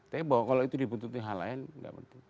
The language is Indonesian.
tapi kalau itu dibuntuti hal lain enggak penting